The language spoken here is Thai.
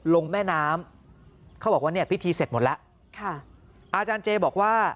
ลงแม่น้ำเขาบอกว่าเนี่ยพิธีเสร็จหมดแล้วค่ะอาจารย์เจบอกว่า